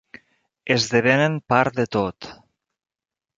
Esdevenen part de tot...